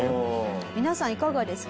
皆さんいかがですか？